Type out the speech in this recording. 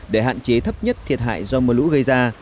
để hạn chế thấp nhất thiệt hại do mưa lũ gây ra